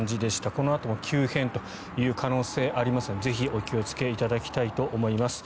このあとも急変という可能性がありますのでぜひお気をつけいただきたいと思います。